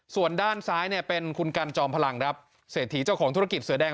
ส่วนด้านซ้ายเนี่ยเป็นคุณกันจอมพลังครับเศรษฐีเจ้าของธุรกิจเสือแดง